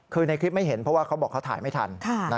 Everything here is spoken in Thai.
คือในคลิปไม่เห็นเพราะว่าเขาบอกเขาถ่ายไม่ทัน